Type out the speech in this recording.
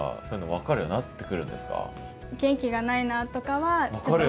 分かるようになってくるんだ。